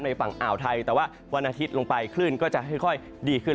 ฝั่งอ่าวไทยแต่ว่าวันอาทิตย์ลงไปคลื่นก็จะค่อยดีขึ้น